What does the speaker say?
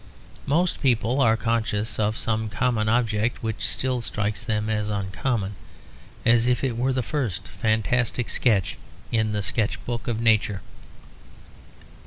Most people are conscious of some common object which still strikes them as uncommon; as if it were the first fantastic sketch in the sketch book of nature.